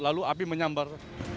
lalu api menyambar